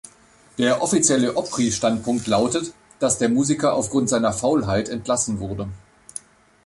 Der offizielle Opry-Standpunkt lautet, dass der Musiker aufgrund seiner Faulheit entlassen wurde.